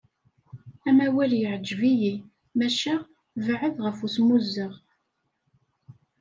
Amawal yeɛǧeb-iyi maca beɛɛed ɣef usmuzzeɣ.